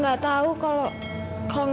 ya udah roto